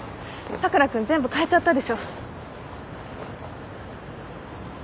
佐倉君全部かえちゃったでしょ。